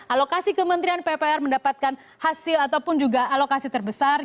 alokasi kementerian ppr mendapatkan hasil ataupun juga alokasi terbesar